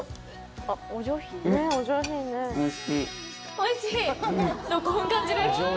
おいしい？